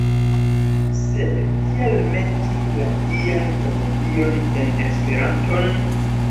Sed kial meti la Dian Komedion en esperanton?